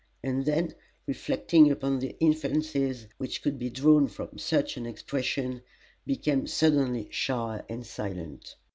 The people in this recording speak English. And then, reflecting upon the inferences which could be drawn from such an expression, became suddenly shy and silent.